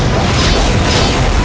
tidak ada yang bisa dihukum